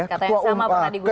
kata yang sama pernah digunakan